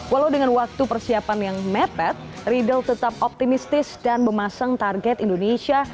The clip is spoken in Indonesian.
walau dengan waktu persiapan yang mepet riedel tetap optimistis dan memasang target indonesia